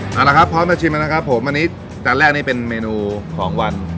เอาละครับพร้อมจะชิมแล้วนะครับผมอันนี้จานแรกนี่เป็นเมนูของวัน